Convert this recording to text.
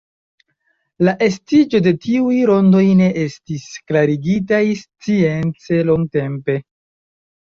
La estiĝo de tiuj rondoj ne estis klarigitaj science longtempe.